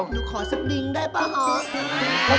หนูขอสักดิงได้ป๊าคะคะก็ได้นะใช่